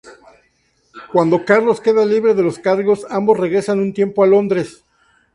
Cuando Carlos queda libre de los cargos, ambos regresan un tiempo a Londres.